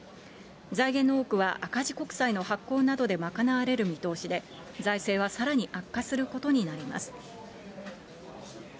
財源の多くは赤字国債の発行などで賄われる見通しで、財政はさらに悪化することになります。